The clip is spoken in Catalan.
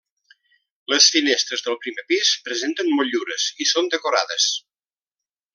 Les finestres del primer pis presenten motllures i són decorades.